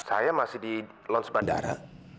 saya masih di launch bandara